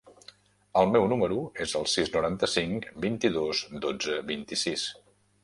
El meu número es el sis, noranta-cinc, vint-i-dos, dotze, vint-i-sis.